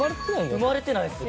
生まれてないですね。